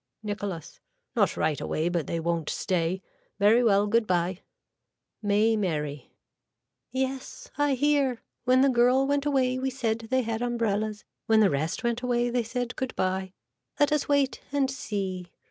(Nicholas.) Not right away but they won't stay. Very well. Good bye. (May Mary.) Yes I hear. When the girl went away we said they had umbrellas. When the rest went away they said good bye. Let us wait and see.